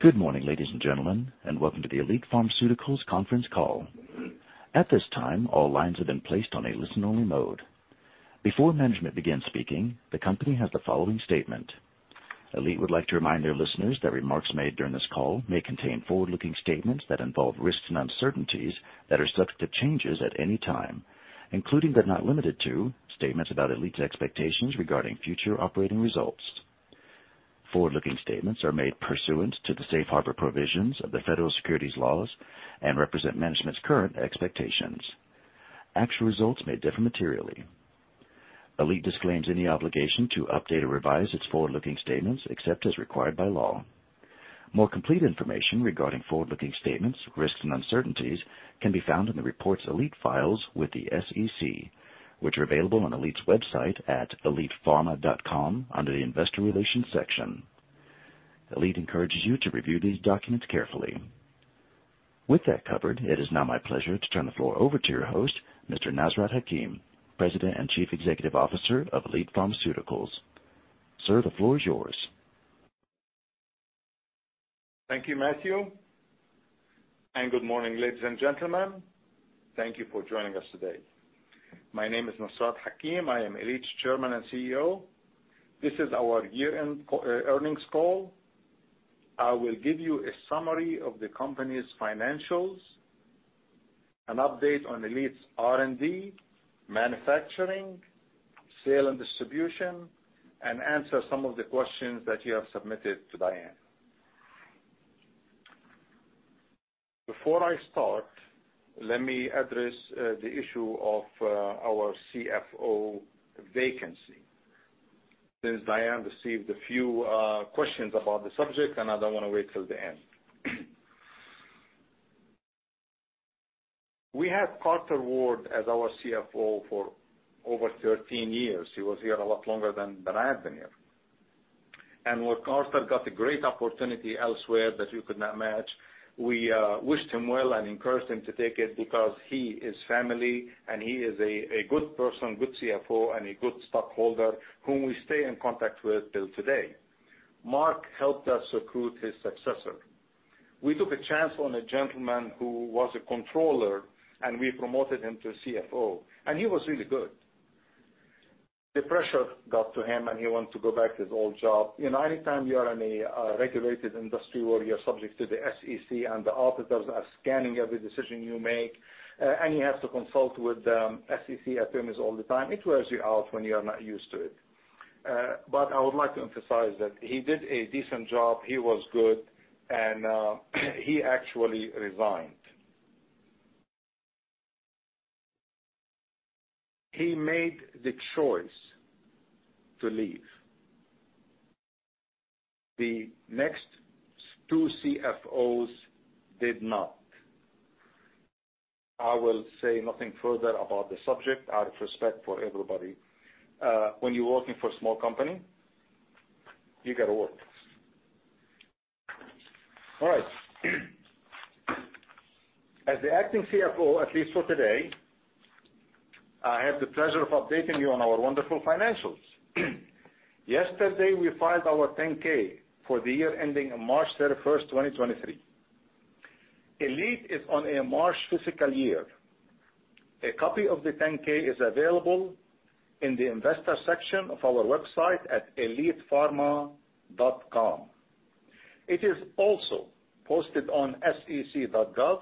Good morning, ladies and gentlemen. Welcome to the Elite Pharmaceuticals conference call. At this time, all lines have been placed on a listen-only mode. Before management begins speaking, the company has the following statement. Elite would like to remind their listeners that remarks made during this call may contain forward-looking statements that involve risks and uncertainties that are subject to changes at any time, including but not limited to, statements about Elite's expectations regarding future operating results. Forward-looking statements are made pursuant to the safe harbor provisions of the federal securities laws and represent management's current expectations. Actual results may differ materially. Elite disclaims any obligation to update or revise its forward-looking statements, except as required by law. More complete information regarding forward-looking statements, risks, and uncertainties can be found in the reports Elite files with the SEC, which are available on Elite's website at elitepharma.com, under the Investor Relations section. Elite encourages you to review these documents carefully. With that covered, it is now my pleasure to turn the floor over to your host, Mr. Nasrat Hakim, President and Chief Executive Officer of Elite Pharmaceuticals. Sir, the floor is yours. Thank you, Matthew. Good morning, ladies and gentlemen. Thank you for joining us today. My name is Nasrat Hakim. I am Elite's Chairman and CEO. This is our year-end earnings call. I will give you a summary of the company's financials, an update on Elite's R&D, manufacturing, sale and distribution, and answer some of the questions that you have submitted to Dianne. Before I start, let me address the issue of our CFO vacancy, since Dianne received a few questions about the subject, and I don't wanna wait till the end. We had Carter Ward as our CFO for over 13 years. He was here a lot longer than I've been here. When Carter got a great opportunity elsewhere that we could not match, we wished him well and encouraged him to take it because he is family and he is a good person, good CFO, and a good stockholder, whom we stay in contact with till today. Mark helped us recruit his successor. We took a chance on a gentleman who was a controller, and we promoted him to CFO, and he was really good. The pressure got to him, and he wanted to go back to his old job. You know, anytime you are in a regulated industry where you're subject to the SEC and the auditors are scanning every decision you make, and you have to consult with the SEC attorneys all the time, it wears you out when you are not used to it. I would like to emphasize that he did a decent job. He was good, he actually resigned. He made the choice to leave. The next two CFOs did not. I will say nothing further about the subject out of respect for everybody. When you're working for a small company, you gotta work. All right. As the acting CFO, at least for today, I have the pleasure of updating you on our wonderful financials. Yesterday, we filed our 10-K for the year ending on March 31, 2023. Elite is on a March fiscal year. A copy of the 10-K is available in the investor section of our website at elitepharma.com. It is also posted on sec.gov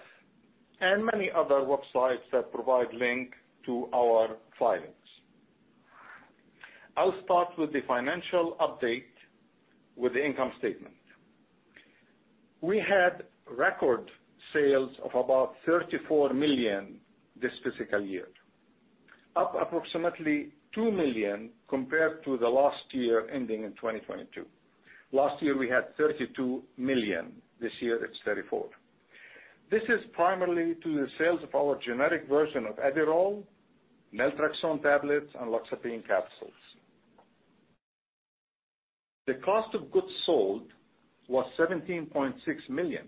and many other websites that provide link to our filings. I'll start with the financial update with the income statement. We had record sales of about $34 million this fiscal year, up approximately $2 million compared to the last year, ending in 2022. Last year, we had $32 million. This year, it's $34 million. This is primarily to the sales of our generic version of Adderall, naltrexone tablets, and Lexapro capsules. The cost of goods sold was $17.6 million,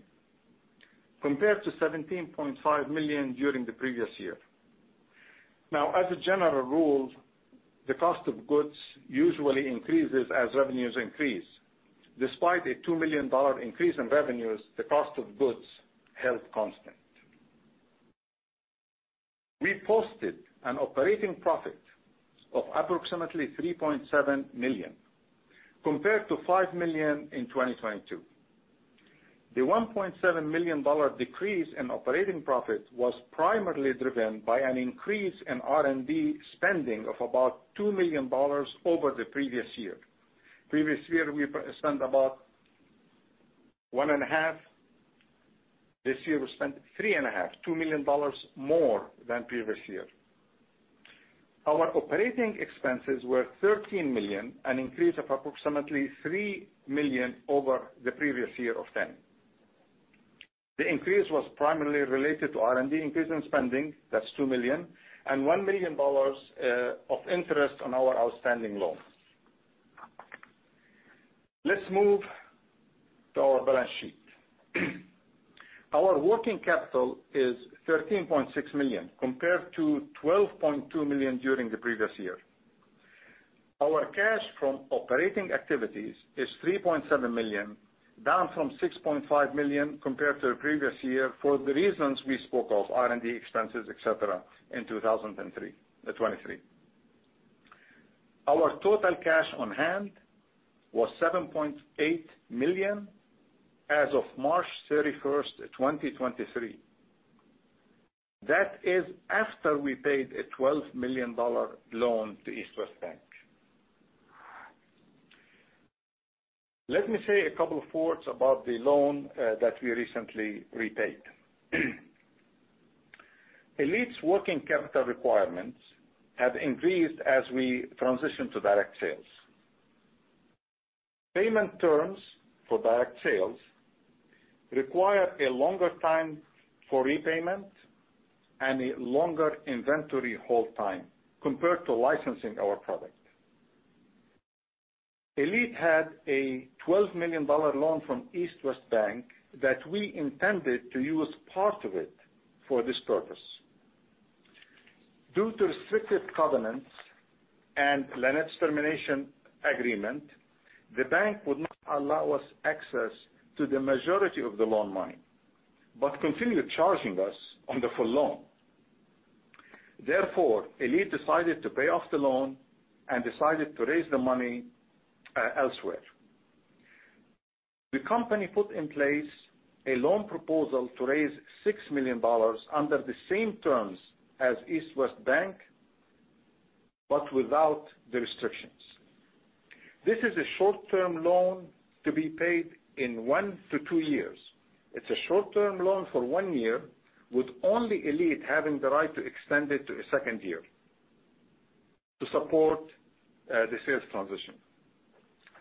compared to $17.5 million during the previous year. As a general rule, the cost of goods usually increases as revenues increase. Despite a $2 million increase in revenues, the cost of goods held constant. We posted an operating profit of approximately $3.7 million, compared to $5 million in 2022. The $1.7 million decrease in operating profit was primarily driven by an increase in R&D spending of about $2 million over the previous year. Previous year, we spent about one and a half. This year, we spent three and a half, $2 million more than previous year. Our operating expenses were $13 million, an increase of approximately $3 million over the previous year of $10 million. The increase was primarily related to R&D increase in spending, that's $2 million, and $1 million of interest on our outstanding loans. Let's move to our balance sheet. Our working capital is $13.6 million, compared to $12.2 million during the previous year. Our cash from operating activities is $3.7 million, down from $6.5 million compared to the previous year for the reasons we spoke of, R&D expenses, et cetera, in 2023. Our total cash on hand was $7.8 million as of March 31, 2023. That is after we paid a $12 million loan to East West Bank. Let me say a couple of words about the loan that we recently repaid. Elite's working capital requirements have increased as we transition to direct sales. Payment terms for direct sales require a longer time for repayment and a longer inventory hold time compared to licensing our product. Elite had a $12 million loan from East West Bank that we intended to use part of it for this purpose. Due to restricted covenants and Lannett's termination agreement, the bank would not allow us access to the majority of the loan money, but continued charging us on the full loan. Therefore, Elite decided to pay off the loan and decided to raise the money elsewhere. The company put in place a loan proposal to raise $6 million under the same terms as East West Bank, but without the restrictions. This is a short-term loan to be paid in one to two years. It's a short-term loan for one year, with only Elite having the right to extend it to a second year to support the sales transition.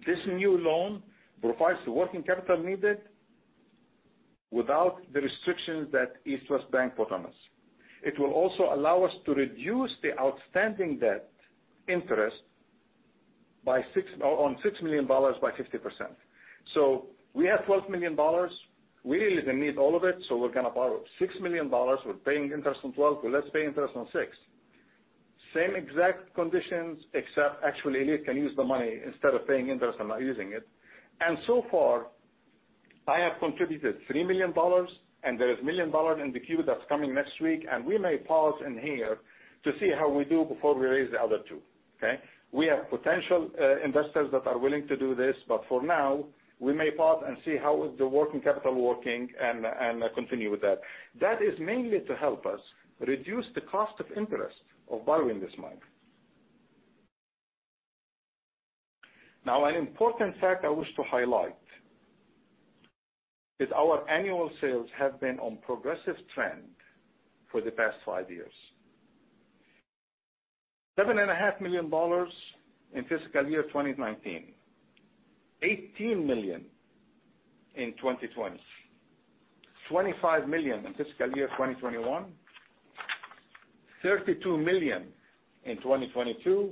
This new loan provides the working capital needed without the restrictions that East West Bank put on us. It will also allow us to reduce the outstanding debt interest on $6 million by 50%. We have $12 million. We really don't need all of it, so we're gonna borrow $6 million. We're paying interest on 12, but let's pay interest on six. Same exact conditions, except actually Elite can use the money instead of paying interest and not using it. So far, I have contributed $3 million, there is $1 million in the queue that's coming next week, we may pause in here to see how we do before we raise the other two, okay? We have potential investors that are willing to do this, for now, we may pause and see how is the working capital working and continue with that. That is mainly to help us reduce the cost of interest of borrowing this money. An important fact I wish to highlight is our annual sales have been on progressive trend for the past five years. $7.5 million in fiscal year 2019, $18 million in 2020, $25 million in fiscal year 2021, $32 million in 2022,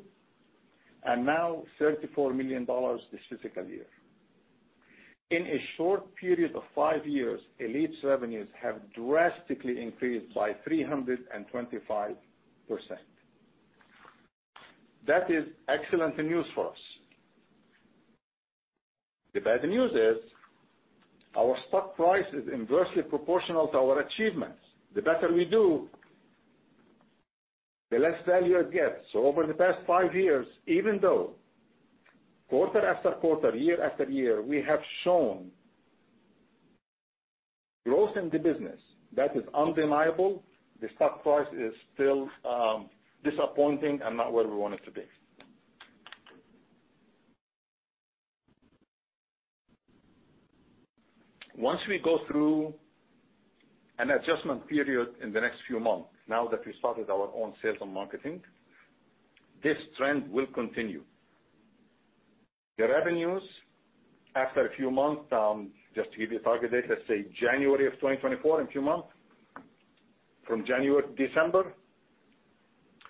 and now $34 million this fiscal year. In a short period of five years, Elite's revenues have drastically increased by 325%. That is excellent news for us. The bad news is, our stock price is inversely proportional to our achievements. The better we do, the less value it gets. Over the past five years, even though quarter after quarter, year after year, we have shown growth in the business, that is undeniable, the stock price is still disappointing and not where we want it to be. Once we go through an adjustment period in the next few months, now that we started our own sales and marketing, this trend will continue. The revenues, after a few months, just to give you a target date, let's say January of 2024, in a few months, from January to December,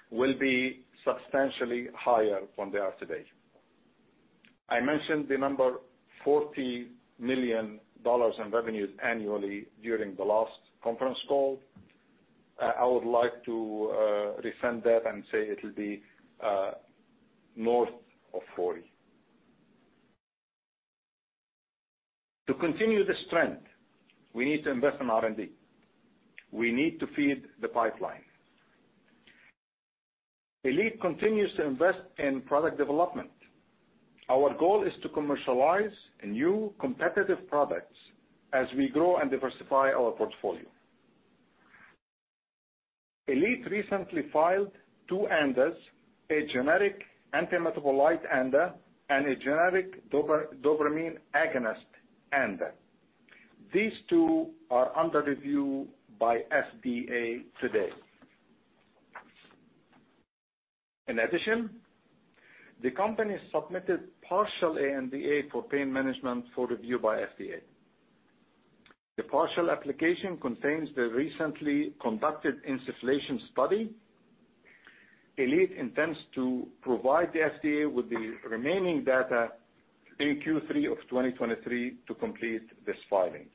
will be substantially higher than they are today. I mentioned the number $40 million in revenues annually during the last conference call. I would like to rescind that and say it will be north of 40. To continue this trend, we need to invest in R&D. We need to feed the pipeline. Elite continues to invest in product development. Our goal is to commercialize new competitive products as we grow and diversify our portfolio. Elite recently filed two ANDAs, a generic antimetabolite ANDA, and a generic dopamine agonist ANDA. These two are under review by FDA today. In addition, the company submitted partial ANDA for pain management for review by FDA. The partial application contains the recently conducted insufflation study. Elite intends to provide the FDA with the remaining data in Q3 of 2023 to complete this filing.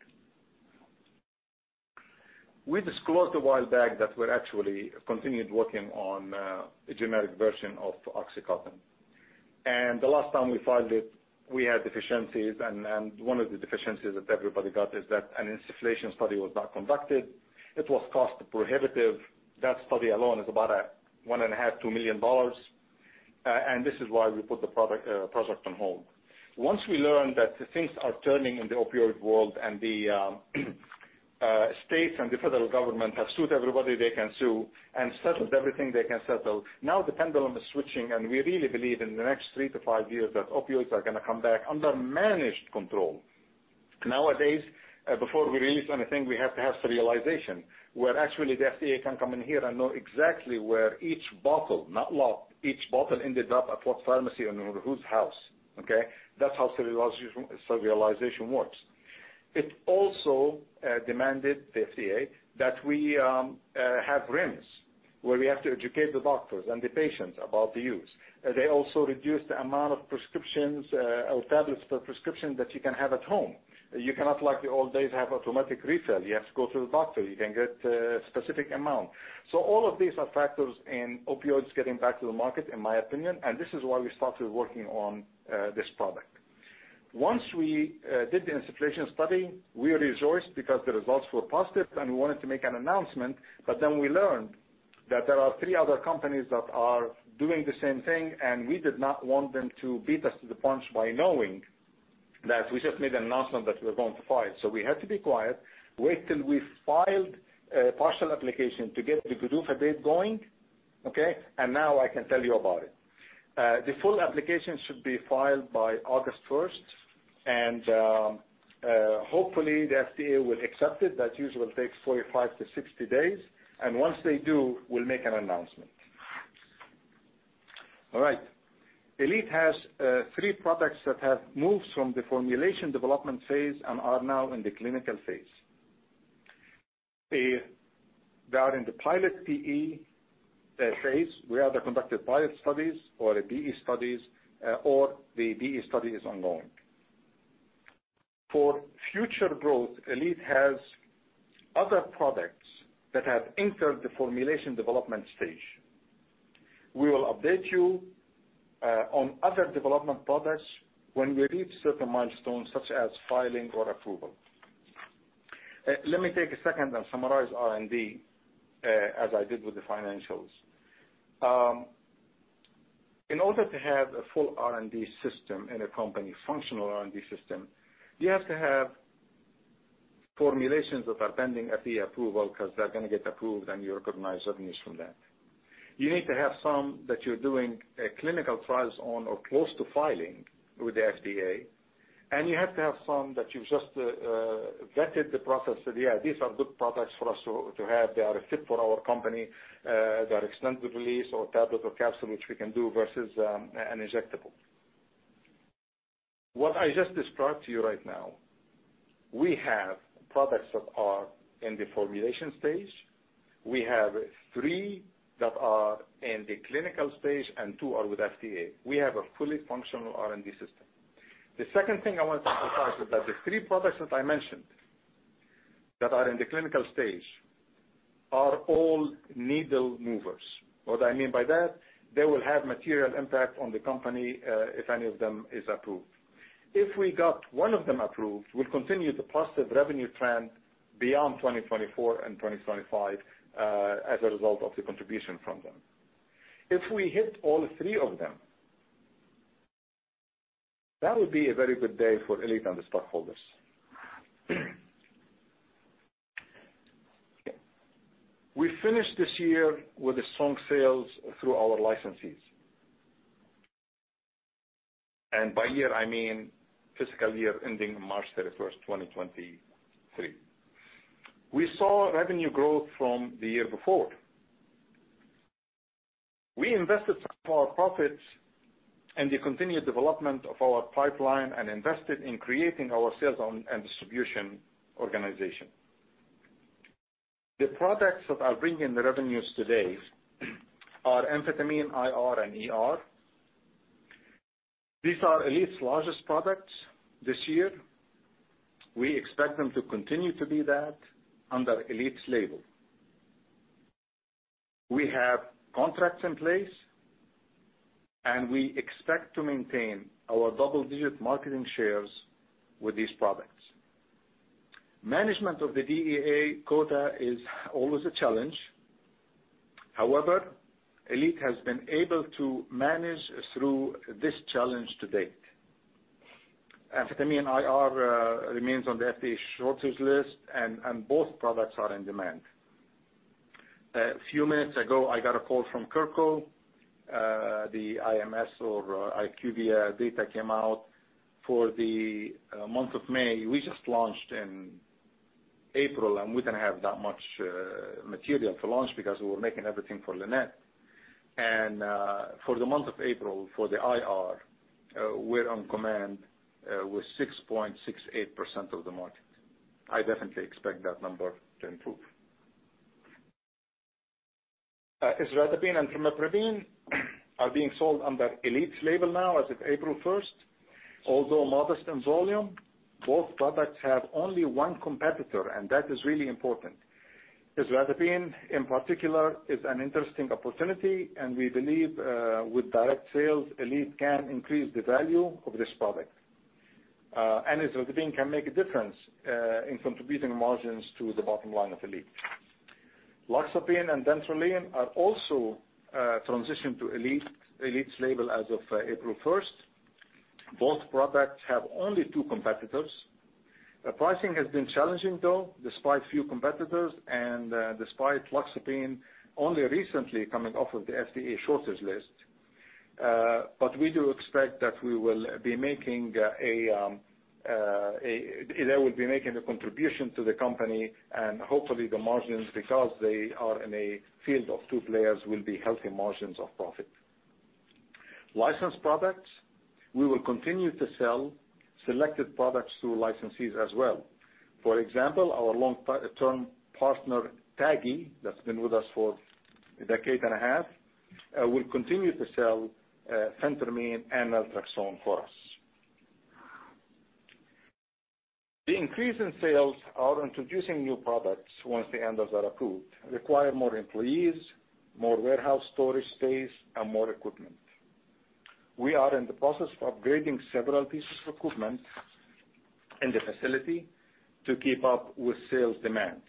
We disclosed a while back that we're actually continued working on a generic version of oxycodone. The last time we filed it, we had deficiencies, and one of the deficiencies that everybody got is that an insufflation study was not conducted. It was cost prohibitive. That study alone is about a one and a half, $2 million, and this is why we put the product, project on hold. Once we learned that the things are turning in the opioid world and the states and the federal government have sued everybody they can sue and settled everything they can settle, now the pendulum is switching, and we really believe in the next three to five years that opioids are gonna come back under managed control. Nowadays, before we release anything, we have to have serialization, where actually the FDA can come in here and know exactly where each bottle, not lot, each bottle ended up at what pharmacy and in whose house, okay? That's how serialization works. It also demanded, the FDA, that we have REMS, where we have to educate the doctors and the patients about the use. They also reduced the amount of prescriptions, or tablets per prescription that you can have at home. You cannot, like the old days, have automatic refill. You have to go through the doctor. You can get a specific amount. All of these are factors in opioids getting back to the market, in my opinion, and this is why we started working on this product. Once we did the insufflation study, we rejoiced because the results were positive, and we wanted to make an announcement. We learned that there are three other companies that are doing the same thing, and we did not want them to beat us to the punch by knowing that we just made an announcement that we're going to file. We had to be quiet, wait till we filed a partial application to get the PDUFA date going. Now I can tell you about it. The full application should be filed by August 1st, and hopefully, the FDA will accept it. That usually takes 45-60 days. Once they do, we will make an announcement. All right. Elite has three products that have moved from the formulation development phase and are now in the clinical phase. They are in the pilot BE phase, where they conducted pilot studies or the BE studies, or the BE study is ongoing. For future growth, Elite has other products that have entered the formulation development stage. We will update you on other development products when we reach certain milestones, such as filing or approval. Let me take a second and summarize R&D as I did with the financials. In order to have a full R&D system in a company, functional R&D system, you have to have formulations that are pending FDA approval because they're gonna get approved, and you recognize revenues from that. You need to have some that you're doing clinical trials on or close to filing with the FDA, and you have to have some that you've just vetted the process that, yeah, these are good products for us to have. They are a fit for our company. They are extended release or tablet or capsule, which we can do versus an injectable. What I just described to you right now, we have products that are in the formulation stage. We have three that are in the clinical stage and two are with FDA. We have a fully functional R&D system. The second thing I want to emphasize is that the three products that I mentioned, that are in the clinical stage, are all needle movers. What I mean by that, they will have material impact on the company, if any of them is approved. If we got one of them approved, we'll continue the positive revenue trend beyond 2024 and 2025, as a result of the contribution from them. If we hit all three of them, that would be a very good day for Elite and the stockholders. We finished this year with strong sales through our licensees. By year, I mean fiscal year ending March 31st, 2023. We saw revenue growth from the year before. We invested some of our profits in the continued development of our pipeline and invested in creating our sales on and distribution organization. The products that are bringing the revenues today are Amphetamine IR and ER. These are Elite's largest products this year. We expect them to continue to be that under Elite's label. We have contracts in place, and we expect to maintain our double-digit marketing shares with these products. Management of the DEA quota is always a challenge. However, Elite has been able to manage through this challenge to date. Amphetamine IR remains on the FDA shortage list, and both products are in demand. A few minutes ago, I got a call from Kirko. The IMS or IQVIA data came out for the month of May. We just launched in April, and we didn't have that much material for launch because we were making everything for Lannett. For the month of April, for the IR, we're on command with 6.68% of the market. I definitely expect that number to improve. Isradipine and Trimipramine are being sold under Elite's label now as of April 1st. Modest in volume, both products have only one competitor, and that is really important. Isradipine, in particular, is an interesting opportunity, and we believe with direct sales, Elite can increase the value of this product. Isradipine can make a difference in contributing margins to the bottom line of Elite. Loxapine and Dantrolene are also transitioned to Elite's label as of April 1st. Products have only two competitors. The pricing has been challenging though, despite few competitors and despite Loxapine only recently coming off of the FDA shortage list. We do expect that they will be making a contribution to the company and hopefully the margins, because they are in a field of two players, will be healthy margins of profit. Licensed products, we will continue to sell selected products to licensees as well. For example, our long-term partner, TAGI, that's been with us for a decade and a half, will continue to sell Phentermine and naltrexone for us. The increase in sales are introducing new products once the ANDAs are approved, require more employees, more warehouse storage space, and more equipment. We are in the process of upgrading several pieces of equipment in the facility to keep up with sales demands.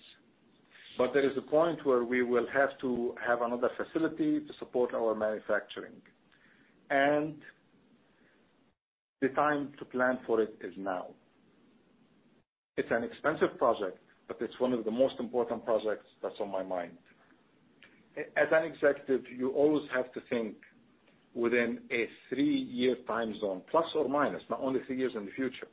There is a point where we will have to have another facility to support our manufacturing. The time to plan for it is now. It's an expensive project, but it's one of the most important projects that's on my mind. As an executive, you always have to think within a three-year time zone, plus or minus, not only three years in the future.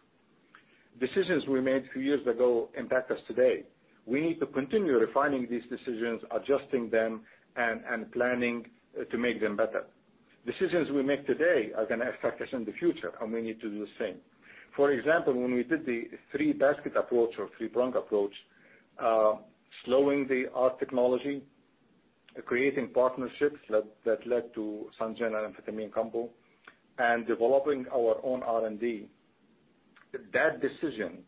Decisions we made few years ago impact us today. We need to continue refining these decisions, adjusting them, and planning to make them better. Decisions we make today are gonna affect us in the future, and we need to do the same. For example, when we did the three basket approach or three-prong approach, slowing the ER technology, creating partnerships that led to SunGen amphetamine combo, and developing our own R&D. That decision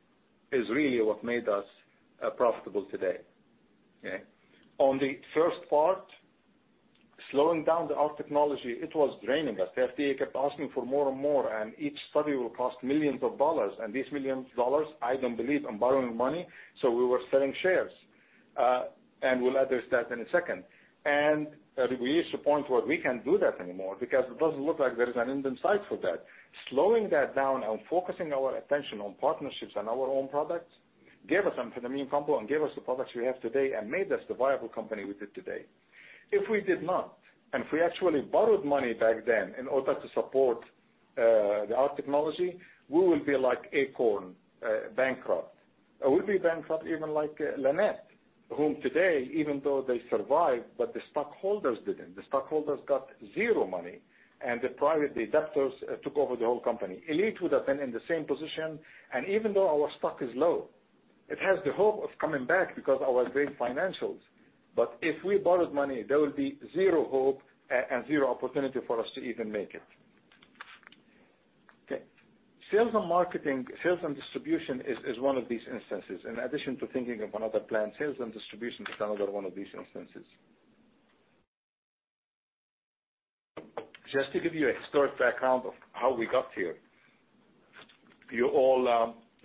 is really what made us profitable today. Okay? On the first part, slowing down the ER technology, it was draining us. The FDA kept asking for more and more. Each study will cost millions of dollars, and these millions of dollars, I don't believe in borrowing money, so we were selling shares. We'll address that in a second. We reached a point where we can't do that anymore because it doesn't look like there is an end in sight for that. Slowing that down and focusing our attention on partnerships and our own products, gave us amphetamine combo and gave us the products we have today and made us the viable company we did today. If we did not, and if we actually borrowed money back then in order to support the ER technology, we will be like Akorn, bankrupt. We'll be bankrupt even like Lannett, whom today, even though they survived, but the stockholders didn't. The stockholders got zero money, and the private adapters took over the whole company. Elite would have been in the same position, and even though our stock is low, it has the hope of coming back because of our great financials. If we borrowed money, there will be zero hope and zero opportunity for us to even make it. Okay. Sales and marketing, sales and distribution is one of these instances. In addition to thinking of another plan, sales and distribution is another one of these instances. Just to give you a historic background of how we got here. You all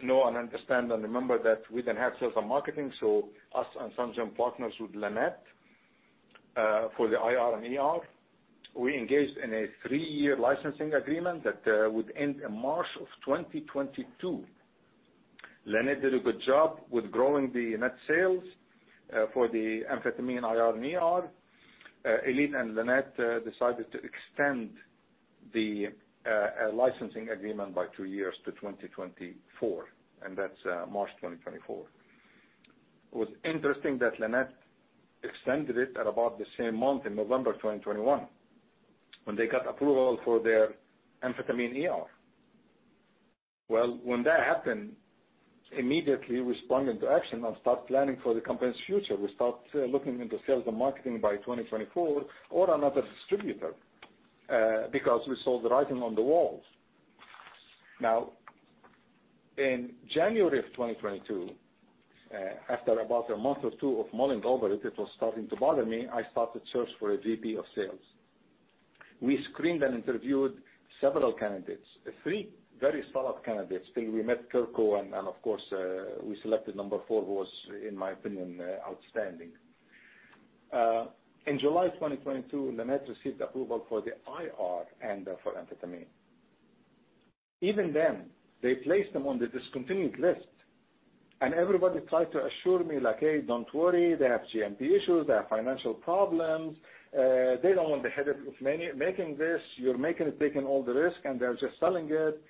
know and understand and remember that we didn't have sales and marketing, so us and SunGen partners with Lannett for the IR and ER. We engaged in a three-year licensing agreement that would end in March of 2022. Lannett did a good job with growing the net sales for the Amphetamine IR and ER. Elite and Lannett decided to extend the licensing agreement by two years to 2024, and that's March 2024. It was interesting that Lannett extended it at about the same month in November of 2021, when they got approval for their Amphetamine ER. When that happened, immediately we sprung into action and start planning for the company's future. We start looking into sales and marketing by 2024 or another distributor because we saw the writing on the walls. In January of 2022, after about a month or two of mulling over it was starting to bother me, I started search for a VP of sales. We screened and interviewed several candidates, three very solid candidates, till we met Kirko, and of course, we selected number four, who was, in my opinion, outstanding. In July 2022, Lannett received approval for the IR and for amphetamine. Even then, they placed them on the discontinued list, everybody tried to assure me like, "Hey, don't worry, they have GMP issues, they have financial problems. They don't want the headache of making this. You're making it, taking all the risk, and they're just selling it.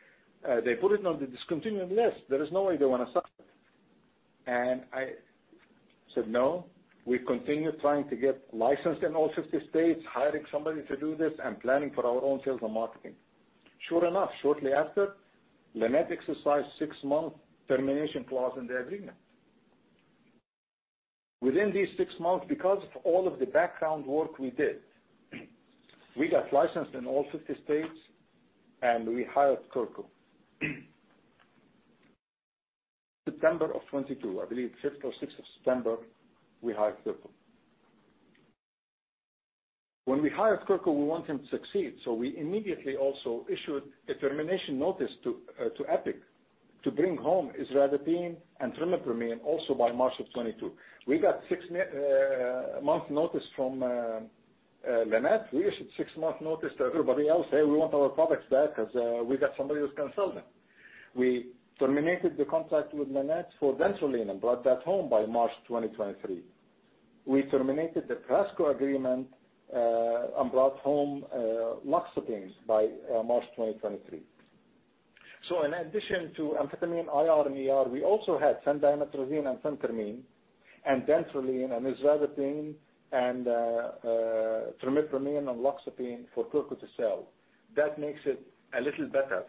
They put it on the discontinued list. There is no way they wanna sell it." I said, "No, we continue trying to get licensed in all 50 states, hiring somebody to do this, and planning for our own sales and marketing." Sure enough, shortly after, Lannett exercised six-month termination clause in the agreement. Within these six months, because of all of the background work we did, we got licensed in all 50 states, and we hired Kirko. September of 2022, I believe, 5th or 6th of September, we hired Kirko. When we hired Kirko, we want him to succeed, so we immediately also issued a termination notice to Epic to bring home Isradipine and Trimipramine also by March of 2022. We got six month notice from Lannett. We issued six months notice to everybody else. "Hey, we want our products back because we got somebody who's gonna sell them." We terminated the contract with Lannett for Dantrolene and brought that home by March 2023. We terminated the Prasco agreement and brought home Loxapine by March 2023. In addition to amphetamine IR and ER, we also had Phendimetrazine and phentermine, and Dantrolene, and Isradipine, and Trimipramine, and Loxapine for Kirko to sell. That makes it a little better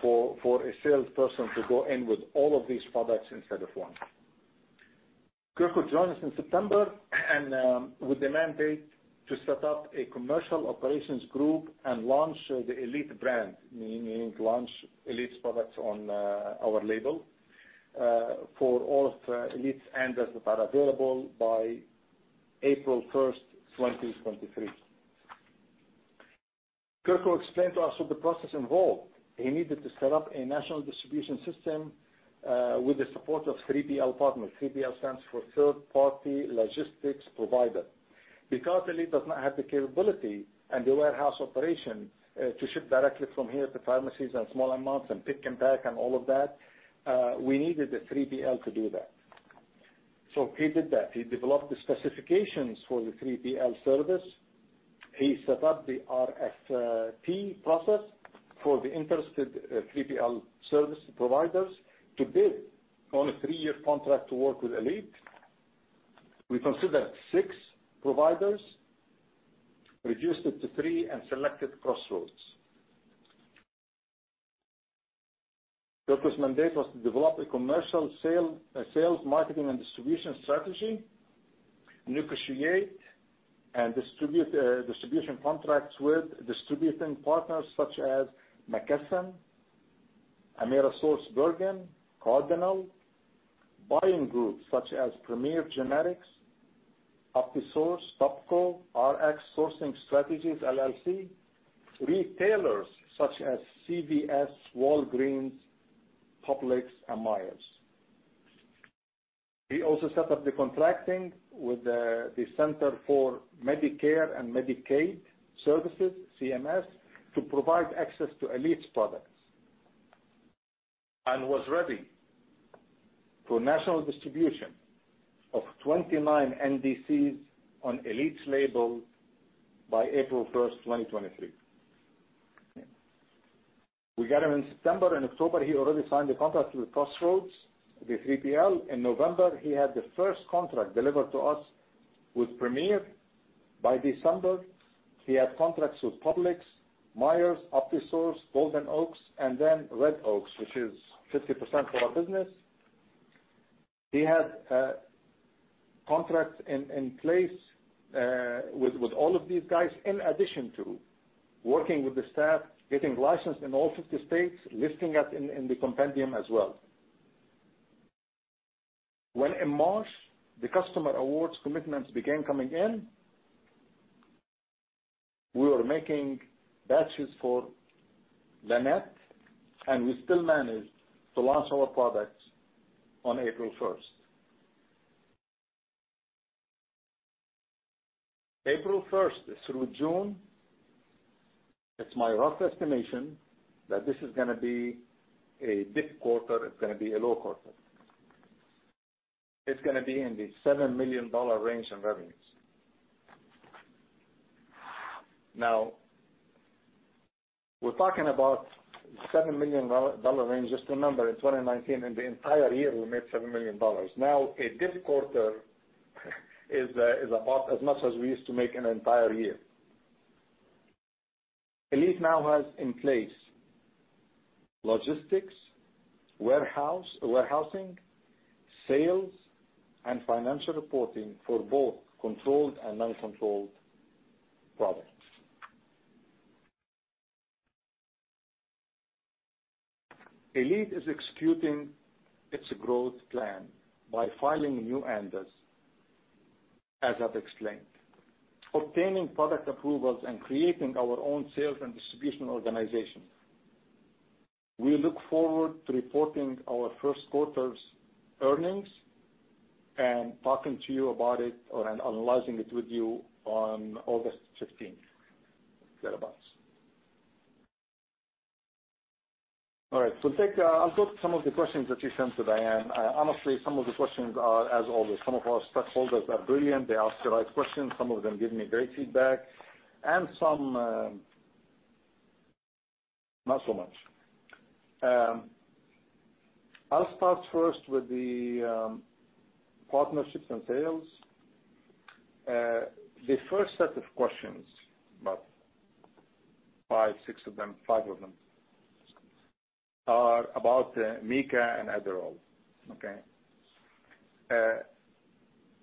for a salesperson to go in with all of these products instead of one. Kirko joined us in September and with the mandate to set up a commercial operations group and launch the Elite brand, meaning launch Elite's products on our label for all of Elite's ANDAs that are available by April 1, 2023. Kirko explained to us what the process involved. He needed to set up a national distribution system with the support of 3PL partner. 3PL stands for Third-Party Logistics provider. Because Elite does not have the capability and the warehouse operation, to ship directly from here to pharmacies and small amounts and pick and pack and all of that, we needed a 3PL to do that. He did that. He developed the specifications for the 3PL service. He set up the RFP process for the interested, 3PL service providers to bid on a three-year contract to work with Elite. We considered six providers, reduced it to three and selected Crossroads. Kirko's mandate was to develop a commercial sale, sales, marketing, and distribution strategy, negotiate and distribute, distribution contracts with distributing partners such as McKesson, AmerisourceBergen, Cardinal. Buying groups such as Premier Generics, OptiSource, Topco, Rx Sourcing Strategies, LLC. Retailers such as CVS, Walgreens, Publix, and Meijer. He also set up the contracting with the Centers for Medicare & Medicaid Services, CMS, to provide access to Elite's products, and was ready for national distribution of 29 NDCs on Elite's label by April 1, 2023. We got him in September and October. He already signed the contract with Crossroads, the 3PL. In November, he had the first contract delivered to us with Premier. By December, he had contracts with Publix, Meijer, OptiSource, Golden Oaks, and then Red Oaks, which is 50% of our business. He had contracts in place with all of these guys, in addition to working with the staff, getting licensed in all 50 states, listing us in the compendium as well. When in March, the customer awards commitments began coming in, we were making batches for Lannett. We still managed to launch our products on April 1st. April 1st through June, it's my rough estimation that this is gonna be a good quarter. It's gonna be a low quarter. It's gonna be in the $7 million dollar range in revenues. We're talking about $7 million dollar range. Just remember, in 2019, in the entire year, we made $7 million. A good quarter is about as much as we used to make in an entire year. Elite now has in place logistics, warehousing, sales, and financial reporting for both controlled and uncontrolled products. Elite is executing its growth plan by filing new ANDAs, as I've explained, obtaining product approvals and creating our own sales and distribution organization. We look forward to reporting our first quarter's earnings and talking to you about it or, analyzing it with you on August 15th, thereabouts. All right, take, I've got some of the questions that you sent to Dianne. Honestly, some of the questions are as always, some of our stakeholders are brilliant. They ask the right questions. Some of them give me great feedback, and some, not so much. I'll start first with the partnerships and sales. The first set of questions, about five, six of them, five of them, are about Mikah and Adderall, okay?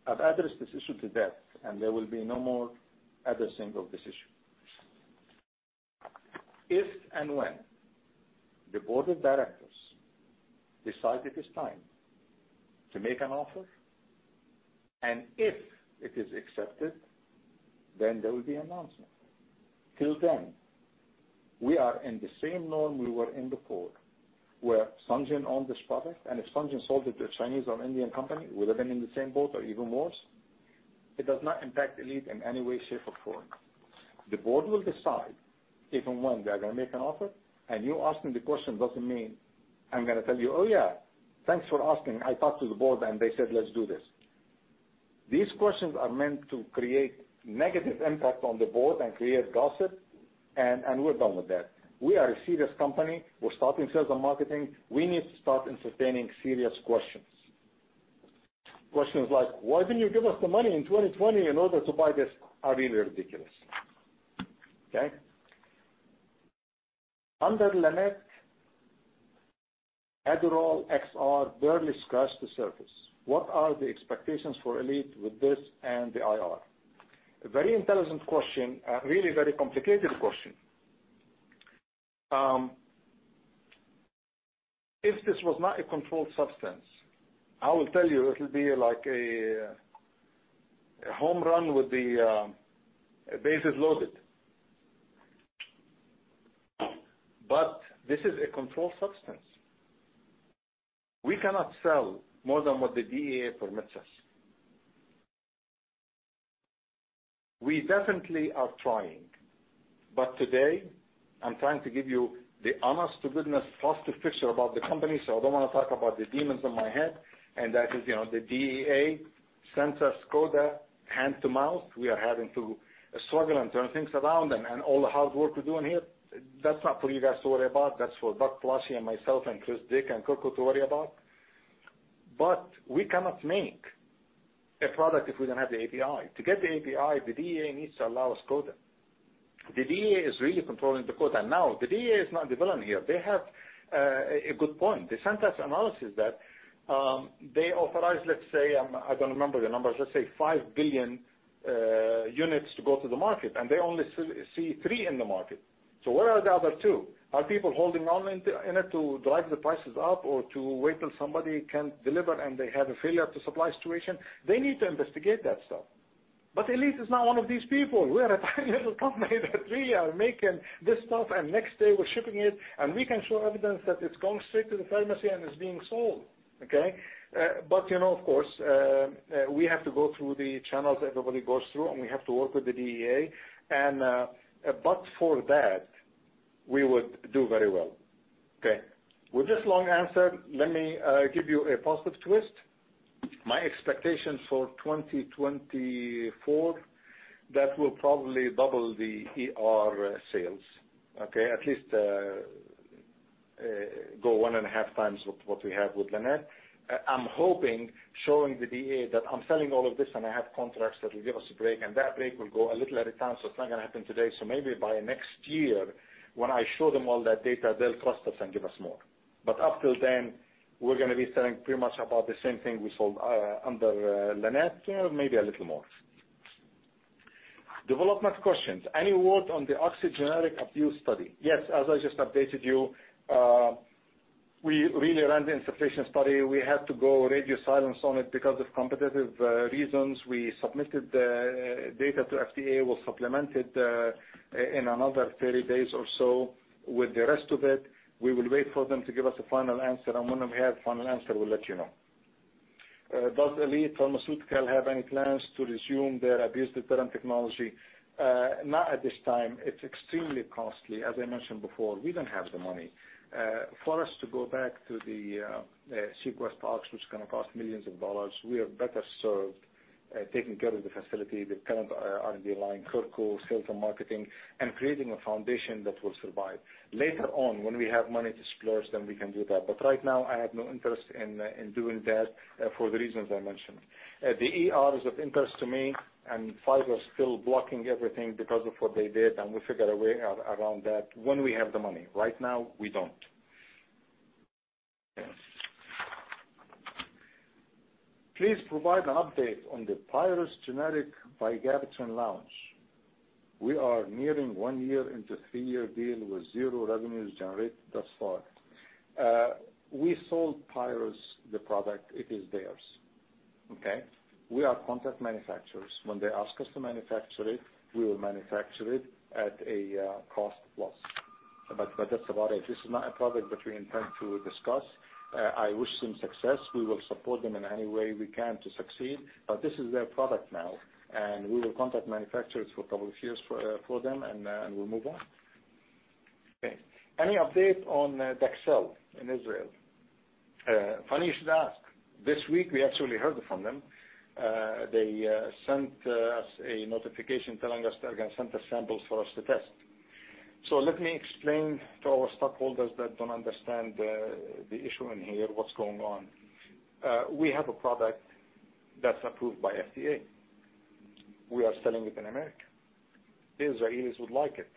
I've addressed this issue to death, there will be no more other single decision. If and when the Board of Directors decide it is time to make an offer, if it is accepted, there will be announcement. Till then, we are in the same norm we were in before, where SunGen owned this product, and if SunGen sold it to a Chinese or Indian company, we would have been in the same boat or even worse. It does not impact Elite in any way, shape, or form. The board will decide if and when they are gonna make an offer, and you asking the question doesn't mean I'm gonna tell you, "Oh, yeah, thanks for asking. I talked to the board and they said, 'Let's do this.'" These questions are meant to create negative impact on the board and create gossip, and we're done with that. We are a serious company. We're starting sales and marketing. We need to start entertaining serious questions. Questions like, "Why didn't you give us the money in 2020 in order to buy this?" are really ridiculous. Okay? Under Lannett, Adderall XR barely scratched the surface. What are the expectations for Elite with this and the IR? A very intelligent question, a really very complicated question. If this was not a controlled substance, I will tell you it'll be like a home run with the bases loaded. This is a controlled substance. We cannot sell more than what the DEA permits us. We definitely are trying, but today I'm trying to give you the honest-to-goodness positive picture about the company, so I don't wanna talk about the demons in my head. That is, you know, the DEA sent us quota hand to mouth. We are having to struggle and turn things around and all the hard work we're doing here. That's not for you guys to worry about. That's for Doug Plassche and myself and Chris Dick and Kirko to worry about. We cannot make a product if we don't have the API. To get the API, the DEA needs to allow us quota. The DEA is really controlling the quota. The DEA is not the villain here. They have a good point. They sent us analysis that they authorize, let's say, I don't remember the numbers, let's say five billion units to go to the market, and they only see three in the market. Where are the other two? Are people holding on in to, in order to drive the prices up or to wait till somebody can't deliver, and they have a failure to supply situation? They need to investigate that stuff. Elite is not one of these people. We are a tiny little company, that we are making this stuff, and next day we're shipping it, and we can show evidence that it's going straight to the pharmacy and is being sold, okay? You know, of course, we have to go through the channels everybody goes through, and we have to work with the DEA. For that, we would do very well. Okay. With this long answer, let me give you a positive twist. My expectation for 2024, that will probably double the ER sales, okay? At least, go 1.5x what we have with Lannett. I'm hoping, showing the DEA that I'm selling all of this, and I have contracts that will give us a break, and that break will go a little at a time, so it's not gonna happen today. Maybe by next year, when I show them all that data, they'll trust us and give us more. Up till then, we're gonna be selling pretty much about the same thing we sold, under Lannett, maybe a little more. Development questions. Any word on the oxy generic abuse study? Yes, as I just updated you, we really ran the insufflation study. We had to go radio silence on it because of competitive reasons. We submitted the data to FDA, was supplemented, in another 30 days or so. With the rest of it, we will wait for them to give us a final answer. When we have final answer, we'll let you know. Does Elite Pharmaceutical have any plans to resume their abuse-deterrent technology? Not at this time. It's extremely costly. As I mentioned before, we don't have the money. For us to go back to the SequestOx, which is gonna cost millions of dollars, we are better served taking care of the facility, the current R&D line, Kirko, sales and marketing, creating a foundation that will survive. Later on, when we have money to splurge, we can do that. Right now, I have no interest in doing that for the reasons I mentioned. The ER is of interest to me. Pfizer is still blocking everything because of what they did. We'll figure a way around that when we have the money. Right now, we don't. "Please provide an update on the Prasco generic vigabatrin launch. We are nearing one year into a three-year deal with zero revenues generated thus far." We sold Prasco the product. It is theirs, okay? We are contract manufacturers. When they ask us to manufacture it, we will manufacture it at a cost plus. That's about it. This is not a product that we intend to discuss. I wish them success. We will support them in any way we can to succeed. This is their product now. We will contract manufacturers for a couple of years for them. We'll move on. Okay. Any update on Dexcel in Israel? Funny you should ask. This week, we actually heard from them. They sent us a notification telling us they're gonna send us samples for us to test. Let me explain to our stockholders that don't understand the issue in here, what's going on. We have a product that's approved by FDA. We are selling it in America. The Israelis would like it.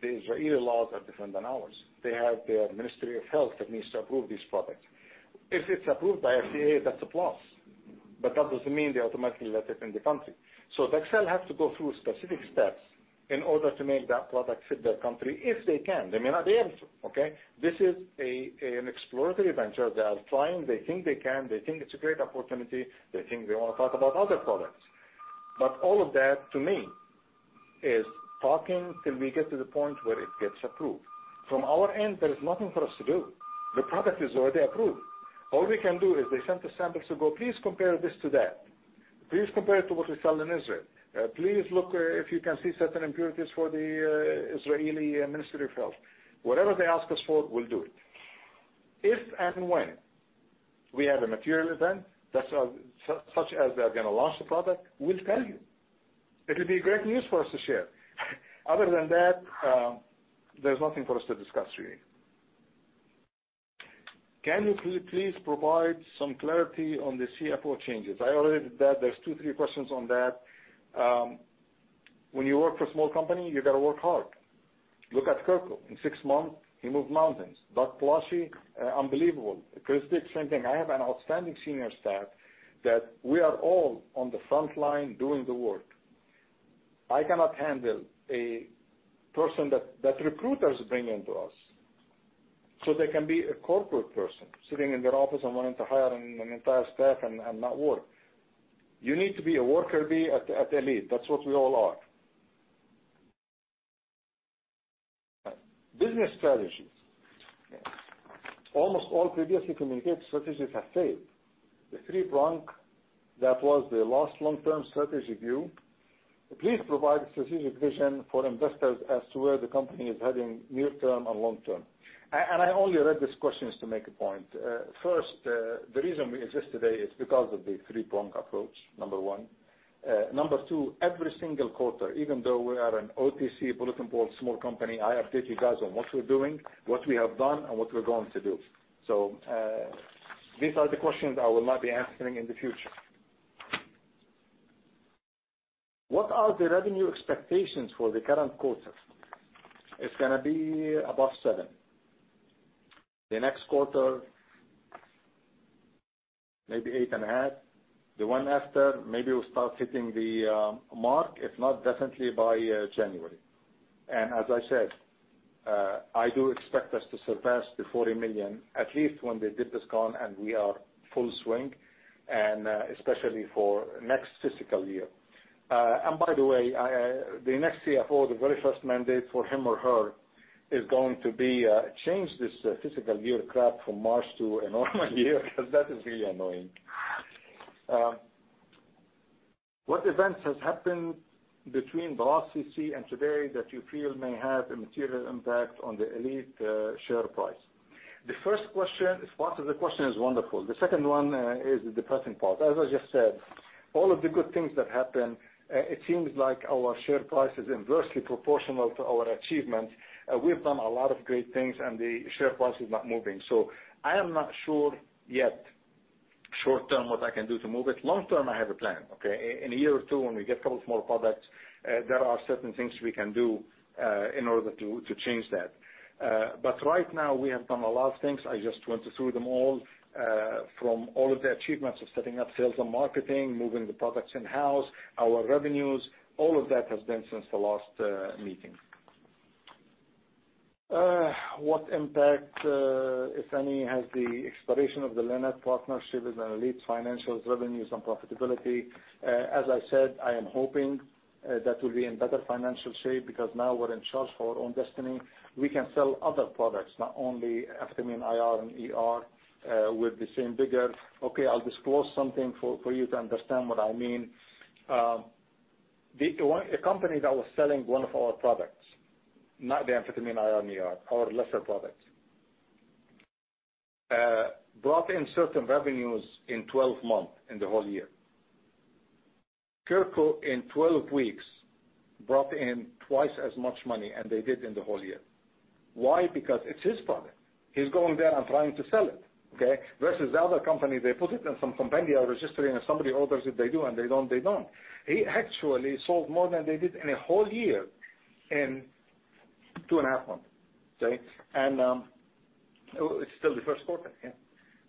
The Israeli laws are different than ours. They have their Ministry of Health that needs to approve this product. If it's approved by FDA, that's a plus, but that doesn't mean they automatically let it in the country. Dexcel has to go through specific steps in order to make that product fit their country, if they can. They may not be able to, okay? This is an exploratory venture. They are trying. They think they can. They think it's a great opportunity. They think they want to talk about other products. All of that, to me, is talking till we get to the point where it gets approved. From our end, there is nothing for us to do. The product is already approved. All we can do is they sent the samples to go, "Please compare this to that. Please compare it to what we sell in Israel. Please look, if you can see certain impurities for the Israeli Ministry of Health." Whatever they ask us for, we'll do it. If and when we have a material event, that's such as they are gonna launch the product, we'll tell you. It will be great news for us to share. Other than that, there's nothing for us to discuss, really. Can you please provide some clarity on the CFO changes?" I already did that. There's two, three questions on that. When you work for a small company, you gotta work hard. Look at Kirko. In six months, he moved mountains. Doug Plassche, unbelievable. Chris did the same thing. I have an outstanding senior staff that we are all on the front line doing the work. I cannot handle a person that recruiters bring in to us, so they can be a corporate person sitting in their office and wanting to hire an entire staff and not work. You need to be a worker bee at Elite. That's what we all are. Business strategies. "Almost all previously communicated strategies have failed. The three-prong that was the last long-term strategy view. Please provide strategic vision for investors as to where the company is heading near term and long term." I only read these questions to make a point. First, the reason we exist today is because of the three-prong approach, number one. Number two, every single quarter, even though we are an OTC bulletin board, small company, I update you guys on what we're doing, what we have done, and what we're going to do. These are the questions I will not be answering in the future. "What are the revenue expectations for the current quarter?" It's gonna be above $7 million. The next quarter, maybe $8.5 million. The one after, maybe we'll start hitting the mark, if not, definitely by January. As I said, I do expect us to surpass the $40 million, at least when the dip is gone and we are full swing, and especially for next fiscal year. By the way, I, the next CFO, the very first mandate for him or her, is going to be change this fiscal year crap from March to a normal year, because that is really annoying. "What events has happened between Velocity and today that you feel may have a material impact on the Elite share price?" The first question, the first of the question is wonderful. The second one is the depressing part. As I just said, all of the good things that happened, it seems like our share price is inversely proportional to our achievements. We've done a lot of great things, and the share price is not moving. I am not sure yet, short term, what I can do to move it. Long term, I have a plan, okay? In a year or two, when we get a couple more products, there are certain things we can do in order to change that. Right now, we have done a lot of things. I just went through them all, from all of the achievements of setting up sales and marketing, moving the products in-house, our revenues, all of that has been since the last meeting. What impact, if any, has the expiration of the Lannett partnership with our Elite Financial's revenues and profitability? As I said, I am hoping that we'll be in better financial shape because now we're in charge for our own destiny. We can sell other products, not only Amphetamine IR and ER, with the same vigor. I'll disclose something for you to understand what I mean. A company that was selling one of our products, not the Amphetamine IR and ER, our lesser products, brought in certain revenues in 12 months, in the whole year. Kirko, in 12 weeks, brought in twice as much money as they did in the whole year. Why? Because it's his product. He's going there and trying to sell it, okay? Versus the other company, they put it in some compendia registry, and if somebody orders it, they do, and they don't, they don't. He actually sold more than they did in a whole year in 2.5 months, okay? It's still the first quarter, yeah.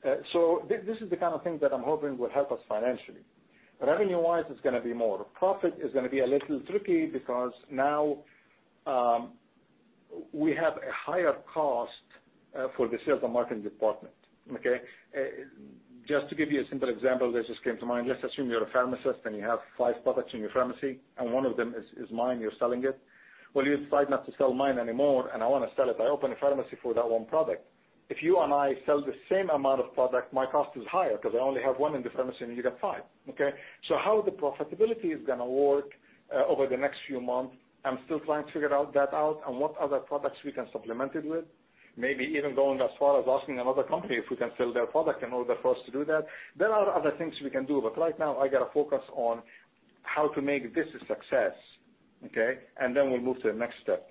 This is the kind of thing that I'm hoping will help us financially. Revenue-wise, it's gonna be more. Profit is gonna be a little tricky because now, we have a higher cost for the sales and marketing department, okay? Just to give you a simple example that just came to mind, let's assume you're a pharmacist and you have five products in your pharmacy, and one of them is mine, you're selling it. You decide not to sell mine anymore, and I wanna sell it. I open a pharmacy for that 1 product. If you and I sell the same amount of product, my cost is higher because I only have one in the pharmacy, and you got five, okay? How the profitability is gonna work over the next few months, I'm still trying to figure out that out and what other products we can supplement it with. Maybe even going as far as asking another company if we can sell their product in order for us to do that. There are other things we can do, but right now, I gotta focus how to make this a success, okay? Then we'll move to the next step.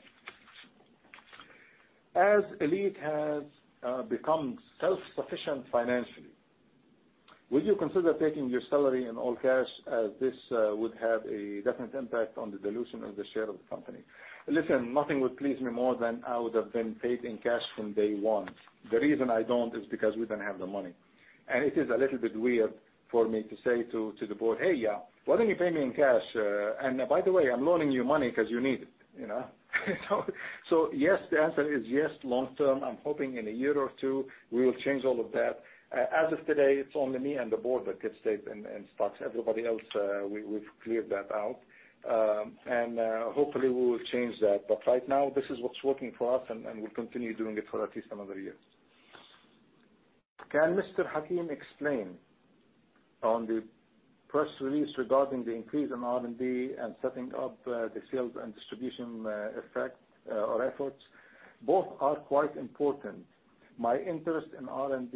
As Elite has become self-sufficient financially, would you consider taking your salary in all cash, as this would have a definite impact on the dilution of the share of the company? Listen, nothing would please me more than I would have been paid in cash from day one. The reason I don't is because we don't have the money. It is a little bit weird for me to say to the board: "Hey, yeah, why don't you pay me in cash? And by the way, I'm loaning you money 'cause you need it," you know? Yes, the answer is yes. Long term, I'm hoping in a year or two, we will change all of that. As of today, it's only me and the board that gets paid in stocks. Everybody else, we've cleared that out. Hopefully, we will change that. Right now, this is what's working for us, and we'll continue doing it for at least another year. Can Mr. Hakim explain on the press release regarding the increase in R&D and setting up the sales and distribution efforts? Both are quite important. My interest in R&D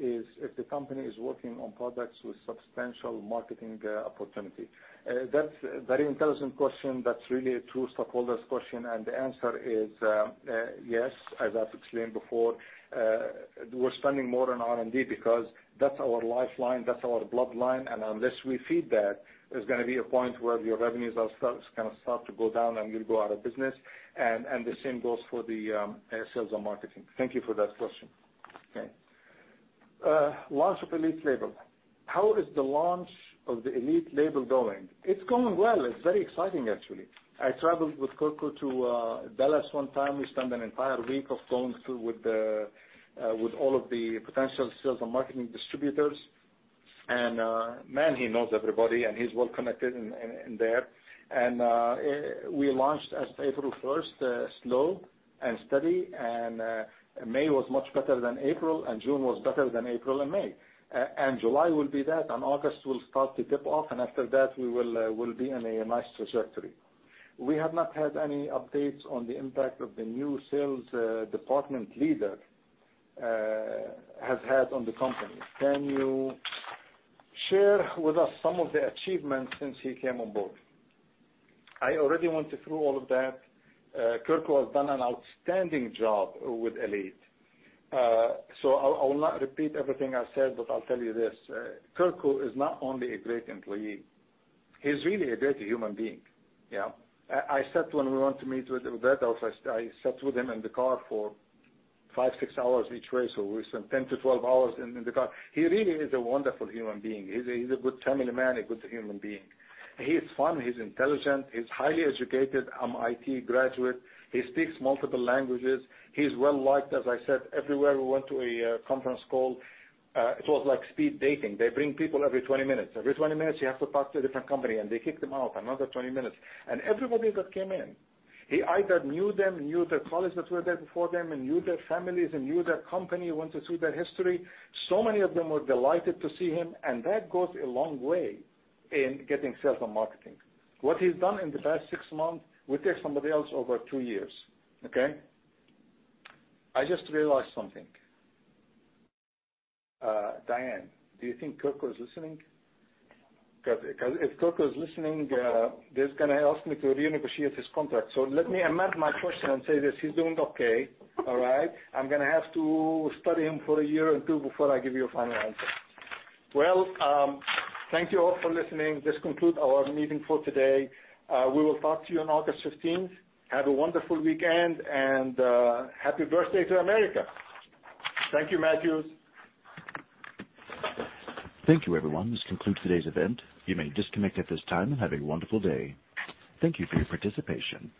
is if the company is working on products with substantial marketing opportunity. That's a very intelligent question. That's really a true stakeholder's question, the answer is yes, as I've explained before, we're spending more on R&D because that's our lifeline, that's our bloodline, and unless we feed that, there's gonna be a point where your revenues are gonna start to go down, and you'll go out of business. The same goes for the sales and marketing. Thank you for that question. Okay. Launch of Elite label. How is the launch of the Elite label going? It's going well. It's very exciting, actually. I traveled with Kirko to Dallas one time. We spent an entire week of going through with the with all of the potential sales and marketing distributors. Man, he knows everybody, and he's well connected in there. We launched as of April 1st, slow and steady, May was much better than April, and June was better than April and May. July will be that, and August will start to tip off, and after that, we will we'll be in a nice trajectory. We have not had any updates on the impact of the new sales department leader has had on the company. Can you share with us some of the achievements since he came on board? I already went through all of that. Kirko has done an outstanding job with Elite. I'll not repeat everything I said, but I'll tell you this, Kirko is not only a great employee, he's really a great human being, yeah. I sat when we went to meet with Roberto, I sat with him in the car for five, six hours each way, so we spent 10 to 12 hours in the car. He really is a wonderful human being. He's a good family man, a good human being. He's fun, he's intelligent, he's highly educated, IT graduate. He speaks multiple languages. He's well-liked, as I said, everywhere we went to a conference call, it was like speed dating. They bring people every 20 minutes. Every 20 minutes, you have to talk to a different company, and they kick them out, another 20 minutes. Everybody that came in, he either knew them, knew their colleagues that were there before them, and knew their families, and knew their company, went through their history. Many of them were delighted to see him, and that goes a long way in getting sales and marketing. What he's done in the past six months, would take somebody else over two years, okay? I just realized something. Dianne, do you think Kirko is listening? Because if Kirko is listening, he's gonna ask me to renegotiate his contract. Let me amend my question and say this, he's doing okay, all right? I'm gonna have to study him for a year or two before I give you a final answer. Well, thank you all for listening. This concludes our meeting for today. We will talk to you on August 15th. Have a wonderful weekend, and happy birthday to America. Thank you, Matthews. Thank you, everyone. This concludes today's event. You may disconnect at this time, and have a wonderful day. Thank you for your participation.